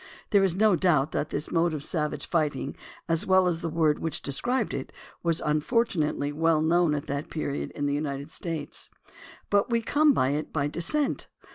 There is no doubt that this mode of savage fighting, as well as the word which described it, was unfortunately well known at that period in the United States. But we came by it by descent.